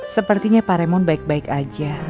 sepertinya pak raymond baik baik aja